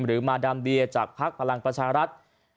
หรือมาดามเดียจากภักดิ์พลังประชารัฐ